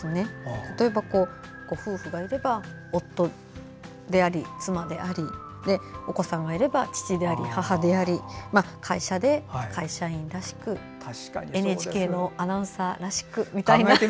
例えば、ご夫婦がいれば夫であり妻でありお子さんがいれば父であり母であり会社で会社員らしくＮＨＫのアナウンサーらしくみたいな。